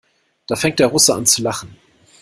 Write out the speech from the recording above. Da fängt der Russe an zu lachen.